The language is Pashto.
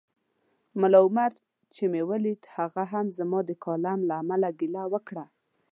ملا عمر چي مې ولید هغه هم زما د کالم له امله ګیله وکړه